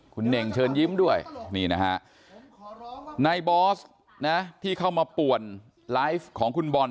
คุณเน่งเชิญยิ้มด้วยนี่นะฮะในบอสนะที่เข้ามาป่วนไลฟ์ของคุณบอล